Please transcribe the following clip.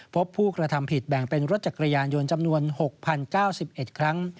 พบผู้กระทำผิดแบ่งเป็นรถจักรยานยนต์จำนวน๖๐๙๑ครั้ง